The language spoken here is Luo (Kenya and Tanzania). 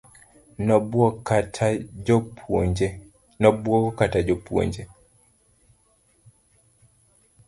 Nobuogo kata jopuonje.